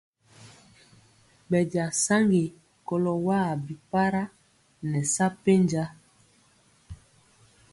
Bɛnja saŋgi kɔlo waa bi para nɛ sa penja.